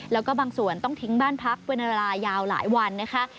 แล้วก็บางส่วนต้องทิ้งบ้านพักเป็นเวลายาวหลายวันนะคะ